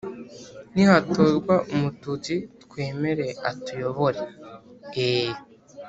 nihatorwa umututsi twemere atuyobore. eeee!